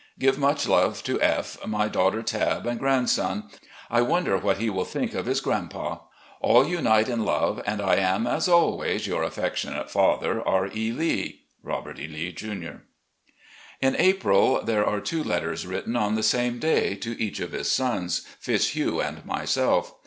Give much love to F , my daughter Tabb, and grandson. I wonder what he will think of his grandpa. All unite in love, and I am, as always, " Your affectionate father, R. E. Lee. "Robert E. Lee, Jr." In April, there are two letters written on the same day, to each of his sons, Fitzhugh and myself.